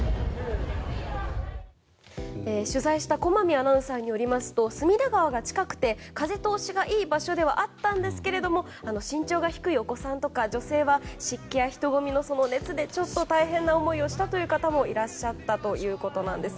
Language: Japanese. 取材した駒見アナウンサーによりますと隅田川が近くて風通しがいい場所ではあったんですが身長が低いお子さんとか女性は湿気や人混みの熱で大変な思いをした方もいらっしゃったということです。